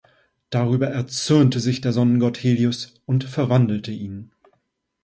Darüber erzürnte sich der Sonnengott Helios und verwandelte ihn.